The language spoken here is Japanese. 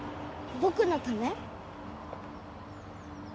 僕のため？